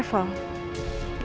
iya saya tunggu terima kasih pa